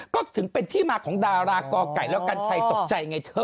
ก็ถึงเป็นที่มาของดารากอไก่แล้วกัญชัยตกใจไงเธอ